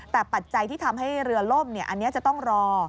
แต่ปัจจัยที่ทำให้เรือล่มอันนี้จะต้องรอ